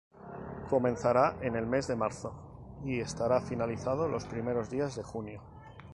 Comenzará en el mes de marzo y estará finalizado los primeros días de junio.